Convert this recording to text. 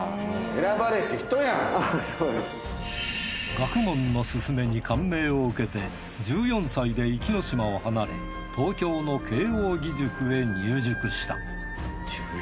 『学問のすすめ』に感銘を受けて１４歳で壱岐島を離れ東京の慶應義塾へ入塾した。